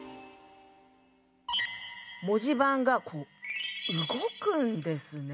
文字盤がこう動くんですね。